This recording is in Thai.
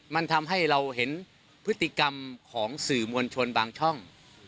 มันทำให้เราเห็นพฤติกรรมของสื่อมวลชนบางช่อง